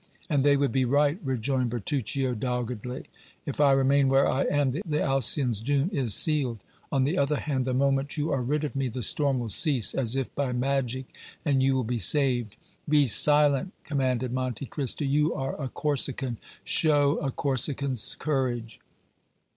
"And they would be right," rejoined Bertuccio, doggedly. "If I remain where I am, the Alcyon's doom is sealed. On the other hand, the moment you are rid of me the storm will cease as if by magic, and you will be saved." "Be silent!" commanded Monte Cristo. "You are a Corsican show a Corsican's courage!"